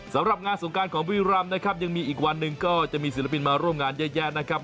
สำหรับงานสงการของบุรีรำนะครับยังมีอีกวันหนึ่งก็จะมีศิลปินมาร่วมงานเยอะแยะนะครับ